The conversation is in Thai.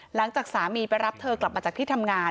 หลังจากสามีไปรับเธอกลับมาจากที่ทำงาน